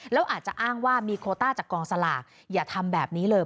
แล้วอาจจะอ้างว่ามีโคต้าจากกองสลากอย่าทำแบบนี้เลย